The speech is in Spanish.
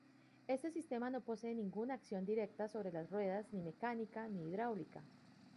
Este sistema no posee ninguna acción directa sobre las ruedas, ni mecánica ni hidráulica.